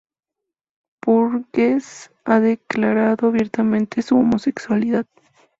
Burgess ha declarado abiertamente su homosexualidad.